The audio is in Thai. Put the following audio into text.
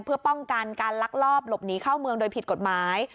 เพื่อป้องกันการลักลอบหลบหนีเข้าเมืองโดยผิดกฎหมาย